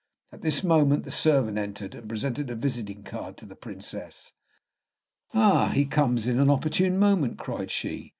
At this moment the servant entered, and presented a visiting card to the Princess. "Ah, he comes in an opportune moment," cried she.